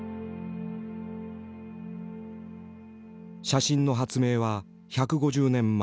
写真の発明は１５０年前。